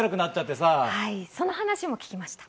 森さん、その話、前も聞きました！